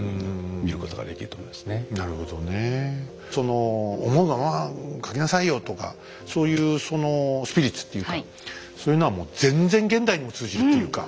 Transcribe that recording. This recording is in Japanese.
その思うがまま書きなさいよとかそういうそのスピリッツっていうかそういうのはもう全然現代にも通じるっていうか。